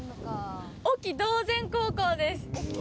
隠岐島前高校です。